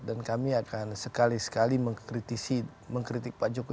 dan kami akan sekali sekali mengkritisi mengkritik pak jokowi